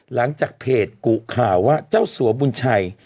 หลังจากเพจกุข่าวว่าเจ้าสัวบุญชัย